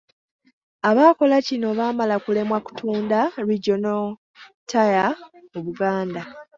Abaakola kino baamala kulemwa kutunda Regional Tier mu Buganda.